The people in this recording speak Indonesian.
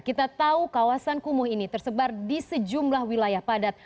kita tahu kawasan kumuh ini tersebar di sejumlah wilayah padat